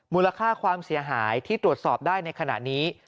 มูลค่าความเสียหายที่ตรวจสอบได้ในขณะนี้